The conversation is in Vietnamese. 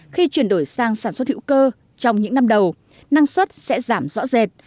khi chuyển đổi sang sản xuất hữu cơ trong những năm đầu năng suất sẽ giảm rõ rệt